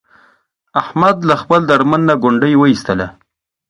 احمد له خپل درمند نه ګونډی و ایستلا.